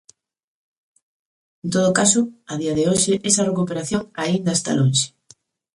En todo caso, a día de hoxe esa recuperación aínda está lonxe.